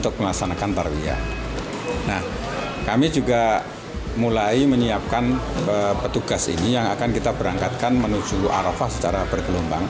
nah kami juga mulai menyiapkan petugas ini yang akan kita berangkatkan menuju arafah secara bergelombang